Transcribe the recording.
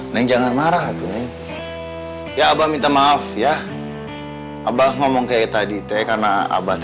neng jangan marah ya abang minta maaf ya abang ngomong kayak tadi teh karena abah